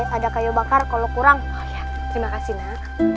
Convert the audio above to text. ini ada kayu bakar kalau kurang terima kasih